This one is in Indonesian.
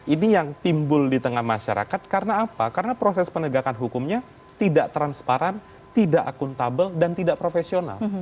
ini yang timbul di tengah masyarakat karena apa karena proses penegakan hukumnya tidak transparan tidak akuntabel dan tidak profesional